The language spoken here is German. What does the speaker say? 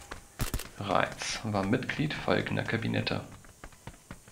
Reitz war Mitglied folgender Kabinette